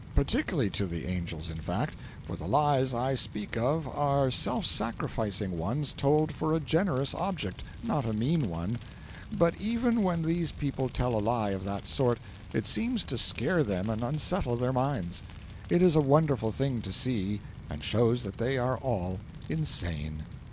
Particularly to the angels, in fact, for the lies I speak of are self sacrificing ones told for a generous object, not a mean one; but even when these people tell a lie of that sort it seems to scare them and unsettle their minds. It is a wonderful thing to see, and shows that they are all insane.